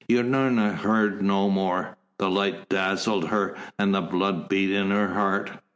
Unorna heard no more. The light dazzled her, and the blood beat in her heart.